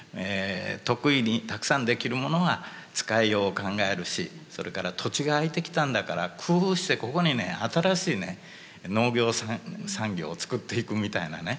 得意にたくさんできるものが使いようを考えるしそれから土地が空いてきたんだから工夫してここにね新しいね農業産業を作っていくみたいなね